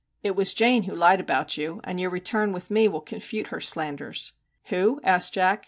' It was Jane who lied about you, and your return with me will confute her slanders/ 'Who? 'asked Jack.